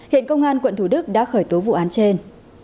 hiện công an quận thủ đức đã khởi tố vụ án trên